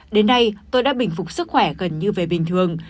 đến nay tôi đã bình phục sức khỏe gần như về bình thường